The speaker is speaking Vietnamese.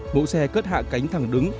mẫu xe cất hạ cánh thẳng đứng